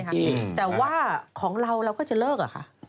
แต่ว่าของเราเราก็จะเลิกเหรอคะ